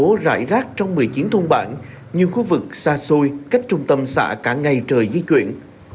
công an bố rải rác trong một mươi chín thôn bản nhiều khu vực xa xôi cách trung tâm xã cả ngày trời di chuyển